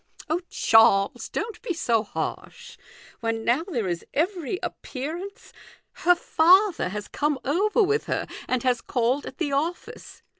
" Oh, Charles, don't be so harsh ; when now there is every appearance Her father has come over with her, and has called at the office.